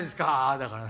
だからな。